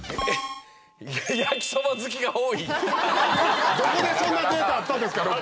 ピンポンどこでそんなデータあったんですか？